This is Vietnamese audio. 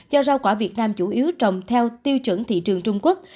do rau quả việt nam chủ yếu trồng theo tiêu chuẩn thị trường trung quốc